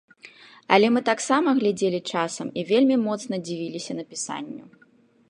Але мы таксама глядзелі часам і вельмі моцна дзівіліся напісанню.